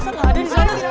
kenapa gak ada disana